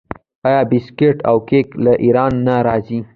آیا بسکیټ او کیک له ایران نه راځي؟